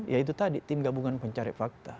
ya itu tadi tim gabungan pencari fakta